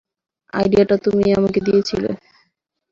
আইডিয়াটা তুমিই আমাকে দিয়েছিলে।